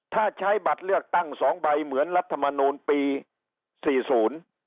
ถ้าใช้บัตรเลือกตั้งสองใบเหมือนรัฐมนูลปีสี่ศูนย์